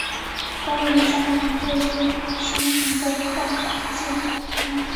关于三人各自生平的可考记载不多。